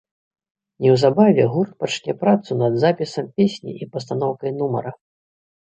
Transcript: Неўзабаве гурт пачне працу над запісам песні і пастаноўкай нумара.